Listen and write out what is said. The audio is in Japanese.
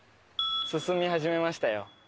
進み始めましたよ。